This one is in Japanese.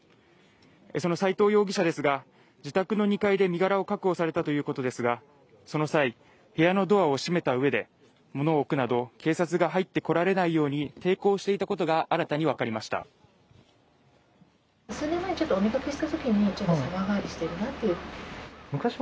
その斎藤淳容疑者ですが、自宅の２階で身柄を確保されたということですがその際、部屋のドアを閉めたうえで物を置くなど警察が入ってこられないように抵抗していたことが新たに分かりました。